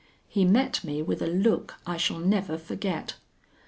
He met me with a look I shall never forget.